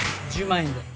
１０万円で。